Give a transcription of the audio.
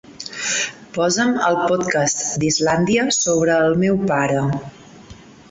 Posa'm el podcast d'Islàndia sobre el meu pare.